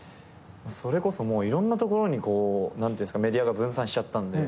それこそいろんなところにメディアが分散しちゃったんで。